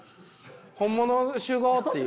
本物集合っていう。